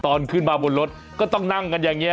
ตอนขึ้นมาบนรถก็ต้องนั่งกันอย่างนี้